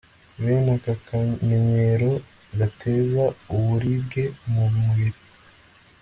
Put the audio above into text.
Bene aka kamenyero gateza uburibwe mu mubiri